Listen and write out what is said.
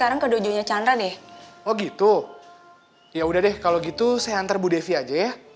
oke kalau gitu saya hantar bu devi aja ya